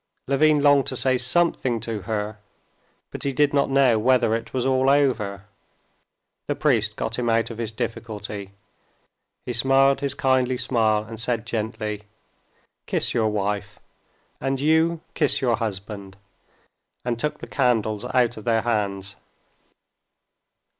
Levin longed to say something to her, but he did not know whether it was all over. The priest got him out of his difficulty. He smiled his kindly smile and said gently, "Kiss your wife, and you kiss your husband," and took the candles out of their hands.